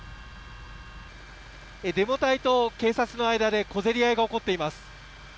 デモ隊と警察の間で小競り合いが起こっています。